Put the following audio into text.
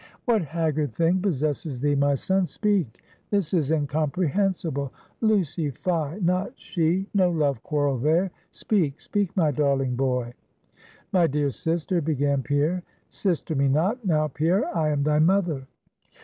'What haggard thing possesses thee, my son? Speak, this is incomprehensible! Lucy; fie! not she? no love quarrel there; speak, speak, my darling boy! 'My dear sister,' began Pierre. 'Sister me not, now, Pierre; I am thy mother.'